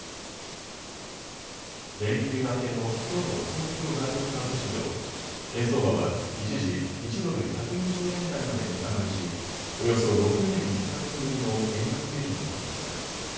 連休明けのきょうの東京外国為替市場、円相場は一時１ドル１２０円台まで値下がりしおよそ６年１か月ぶりの円安水準となりました。